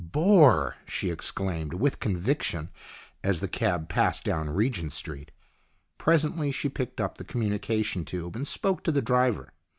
" Bore !" she exclaimed with conviction as the cab passed down Regent Street. Presently she picked up the communication tube and spoke to the driver.